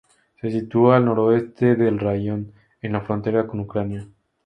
Se sitúa al noreste del raión, en la frontera con Ucrania.